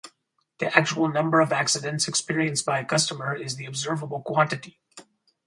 The actual number of accidents experienced by a customer is the observable quantity.